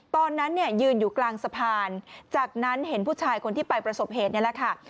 ตอนนั้นเนี่ยยืนอยู่กลางสะพานจากนั้นเห็นผู้ชายคนที่ไปประสบเหตุนี่แหละค่ะ